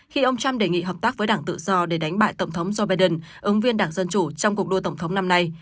khi ông trump đề nghị hợp tác với đảng tự do để đánh bại tổng thống joe biden ứng viên đảng dân chủ trong cuộc đua tổng thống năm nay